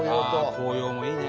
紅葉もいいね。